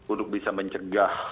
untuk bisa mencegah